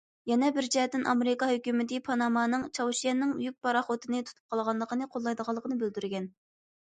يەنە بىر جەھەتتىن، ئامېرىكا ھۆكۈمىتى پانامانىڭ چاۋشيەننىڭ يۈك پاراخوتىنى تۇتۇپ قالغانلىقىنى قوللايدىغانلىقىنى بىلدۈرگەن.